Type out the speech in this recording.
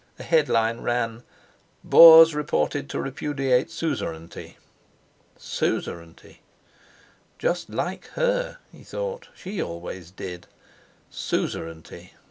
A headline ran: "Boers reported to repudiate suzerainty!" Suzerainty! "Just like her!" he thought: "she always did. Suzerainty!